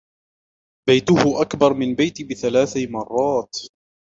بيته أكبر من بيتي بثلاث مرات.